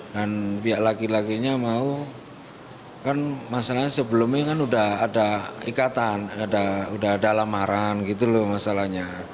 dan pihak laki lakinya mau kan masalahnya sebelumnya kan udah ada ikatan udah ada lamaran gitu loh masalahnya